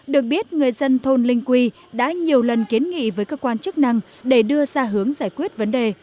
được biết người dân thôn linh quy đã nhiều lần kiến nghị với cơ quan chức năng để đưa ra hướng giải quyết vấn đề